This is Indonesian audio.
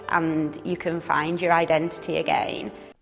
dan kita bisa menemukan identitas kita lagi